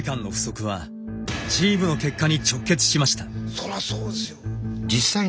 そらそうですよ。